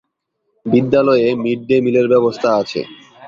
বিদ্যালয়ে mid day মিলের ব্যবস্থা আছে।